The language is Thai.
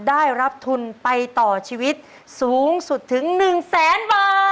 ได้รับทุนไปต่อชีวิตสูงสุดถึง๑แสนบาท